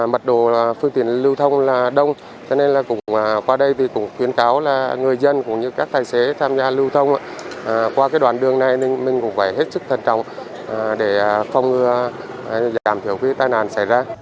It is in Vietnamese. mật đồ phương tiện lưu thông là đông cho nên là qua đây thì cũng khuyến cáo là người dân cũng như các tài xế tham gia lưu thông qua cái đoàn đường này nên mình cũng phải hết sức thân trọng để phong ngừa giảm thiểu cái tai nạn xảy ra